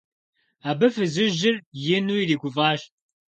Абы фызыжьыр ину иригуфӀащ.